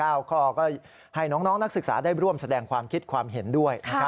ข้อก็ให้น้องนักศึกษาได้ร่วมแสดงความคิดความเห็นด้วยนะครับ